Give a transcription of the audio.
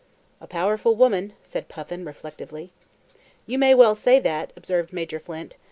"A powerful woman," said Puffin reflectively. "You may well say that," observed Major Flint.